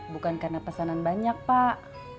bukan karena pesanan banyak pak